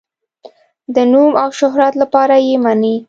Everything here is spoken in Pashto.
د نوم او شهرت لپاره یې مني.